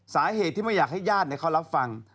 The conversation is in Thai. สาเหตุที่ไม่อยากให้ญาติเขารับฟัง